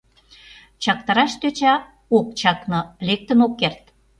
Чактараш тӧча — ок чакне, лектын ок керт.